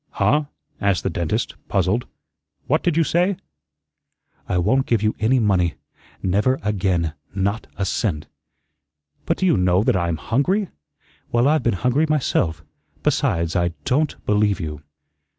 "Huh?" asked the dentist, puzzled. "What did you say?" "I won't give you any money never again not a cent." "But do you know that I'm hungry?" "Well, I've been hungry myself. Besides, I DON'T believe you."